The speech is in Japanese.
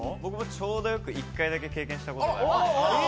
ちょうどよく１回だけ経験したことがあります。